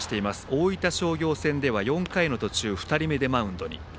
大分商業戦では４回の途中２人目でマウンドに。